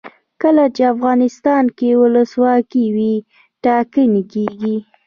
کله چې افغانستان کې ولسواکي وي ټاکنې کیږي.